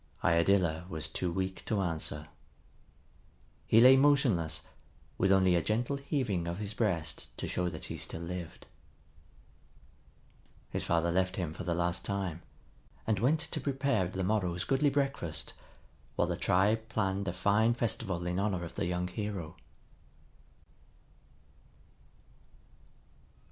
Iadilla was too weak to answer. He lay motionless, with only a gentle heaving of his breast to show that he still lived. His father left him for the last time, and went to prepare the morrow's goodly breakfast, while the tribe planned a fine festival in honor of the young hero.